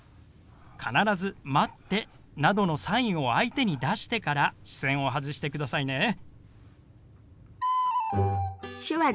必ず「待って」などのサインを相手に出してから視線を外してくださいね。